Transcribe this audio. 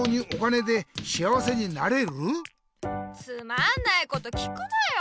つまんないこと聞くなよ。